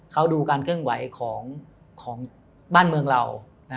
เขาดูการเคลื่อนไหวของบ้านเมืองเรา